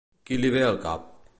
Qui li ve al cap?